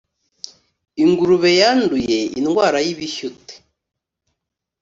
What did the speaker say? ingurube yanduye indwara y ibishyute